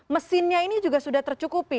mesinnya ini juga sudah tercukupi